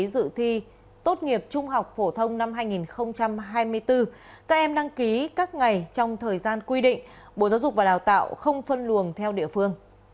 đăng ký dự thi tốt nghiệp trung học phổ thông năm hai nghìn hai mươi bốn các em đăng ký các ngày trong thời gian quy định bộ giáo dục và đào tạo không phân luồng theo địa phương